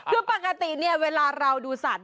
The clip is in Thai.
คือปกติเนี่ยเวลาเราดูสัตว